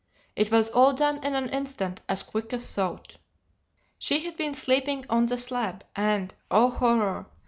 It was all done in an instant, as quick as thought. "She had been sleeping on the slab, and oh, horror!